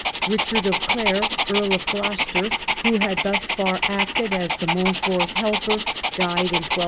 Richard of Clare, Earl of Gloucester, who had thus far acted as de Montfort's helper, died in 1262.